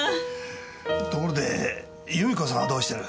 ところで由美子さんはどうしてる？